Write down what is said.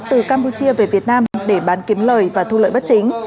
từ campuchia về việt nam để bán kiếm lời và thu lợi bất chính